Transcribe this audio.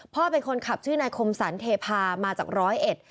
เป็นคนขับชื่อนายคมสรรเทพามาจากร้อยเอ็ด